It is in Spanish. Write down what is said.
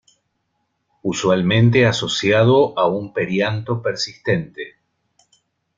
Usualmente asociado a un perianto persistente.